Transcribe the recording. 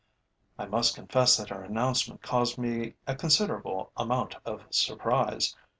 I must confess that her announcement caused me a considerable amount of surprise.